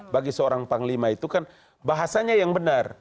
bagi seorang panglima itu kan bahasanya yang benar